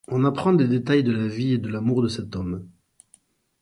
On apprend des détails de la vie et de l'amour de cet homme.